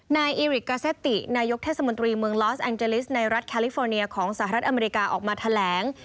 นายอิริกกาเซตินายกเทศมนตรีเมืองลอสแองเจลิสในรัฐแคลิฟอร์เนียของสหรัฐอเมริกาออกมาแถลง